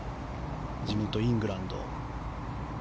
地元イングランド。